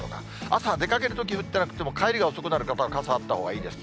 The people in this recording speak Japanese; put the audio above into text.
朝出かけるとき降ってなくても、帰りが遅くなる方は傘あったほうがいいです。